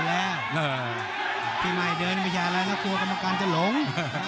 แล้วก็กลัวกรรมการจะหลง